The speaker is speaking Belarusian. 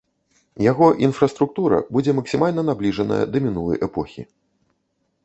Яго інфраструктура будзе максімальна набліжаная да мінулай эпохі.